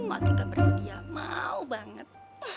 antika bersedia mau banget